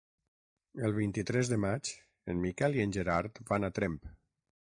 El vint-i-tres de maig en Miquel i en Gerard van a Tremp.